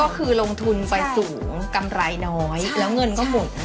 ก็คือลงทุนไปสูงกำไรน้อยแล้วเงินก็หมุน